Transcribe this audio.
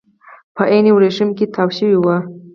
په عین ورېښمو کې تاو شوي وو.